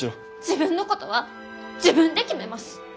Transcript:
自分のことは自分で決めます！